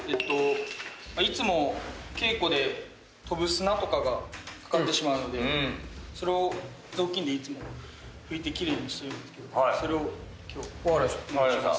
いつも稽古で飛ぶ砂とかが掛かってしまうのでそれを雑巾でいつも拭いて奇麗にしてるんですけどそれを今日お願いします。